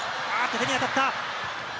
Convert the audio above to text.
手に当たった。